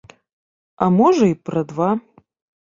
А можна, і пра два.